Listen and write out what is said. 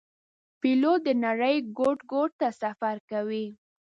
پیلوټ د نړۍ ګوټ ګوټ ته سفر کوي.